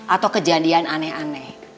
atau kejadian aneh aneh